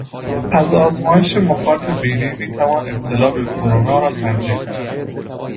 از آزمایش مخاط بینی میتوان ابتلا به کرونا را سنجید